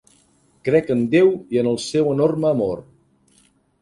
Crec en Déu i en el seu enorme amor.